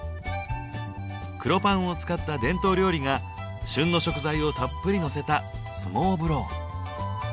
黒パンを使った伝統料理が旬の食材をたっぷりのせたスモーブロー。